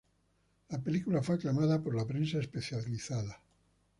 La película fue aclamada por la prensa especializada.